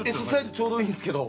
ちょうどいいんすけど。